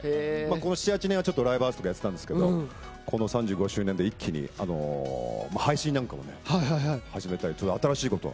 ７８年はライブハウスでやっていたんですがこの３５周年で一気に配信なんかも始めたり新しいことを。